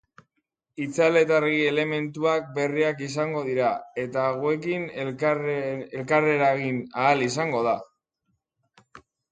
Itzal eta argi elementuak berriak izango dira eta hauekin elkarreragin ahal izango da.